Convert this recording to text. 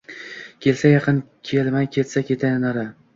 Kelsa — yaqin kelmay, ketsa — ketmay nari